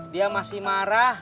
dia masih marah